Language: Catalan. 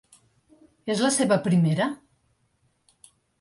És la seva primera!?